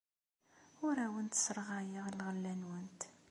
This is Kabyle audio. Ur awent-sserɣayeɣ lɣella-nwent.